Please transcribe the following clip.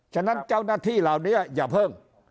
ฉะนั้นเจ้าหน้าที่เหล่านี้อย่าเพิ่ง